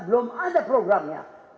belum ada programnya